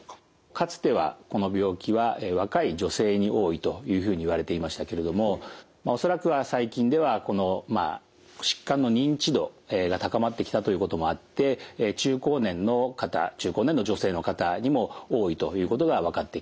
かつてはこの病気は若い女性に多いというふうにいわれていましたけれども恐らくは最近ではこの疾患の認知度が高まってきたということもあって中高年の方中高年の女性の方にも多いということが分かってきました。